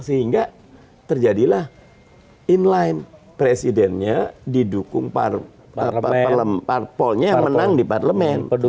sehingga terjadilah inline presidennya didukung parpolnya menang di parlemen